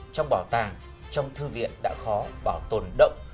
trong bảo tàng trong thư viện đã khó bảo tồn động